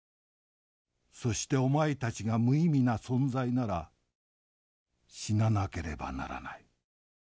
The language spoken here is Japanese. そしてお前たちが無意味な存在なら死ななければならない。